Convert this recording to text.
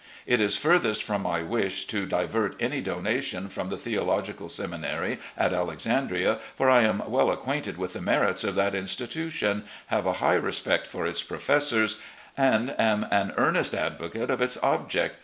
It is furthest from my wish to divert any donation from the Theo logical Seminary at Alexandria, for I am well acquainted with the merits of that institution, have a high respect for its professors, and am an earnest advocate of its object.